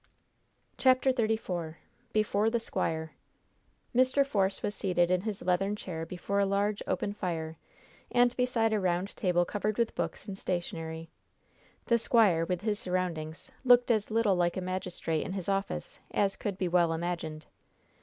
CHAPTER XXXIV BEFORE THE SQUIRE Mr. Force was seated in his leathern chair before a large, open fire, and beside a round table covered with books and stationery. The squire, with his surroundings, looked as little like a magistrate in his office as could be well imagined.